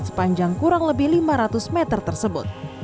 sepanjang kurang lebih lima ratus meter tersebut